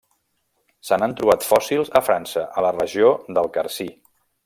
Se n'han trobat fòssils a França, a la regió del Carcí.